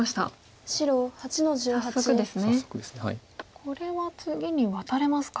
これは次にワタれますか。